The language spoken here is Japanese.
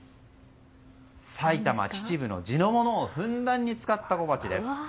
埼玉・秩父の地のものをふんだんに使った小鉢です。